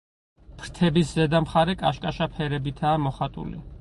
ფრთების ზედა მხარე კაშკაშა ფერებითაა მოხატული.